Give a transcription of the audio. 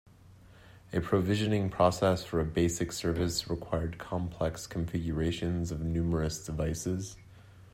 A provisioning process for a basic service required complex configurations of numerous devices.